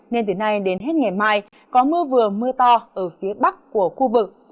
nên từ nay đến hết ngày mai có mưa vừa mưa to ở phía bắc của khu vực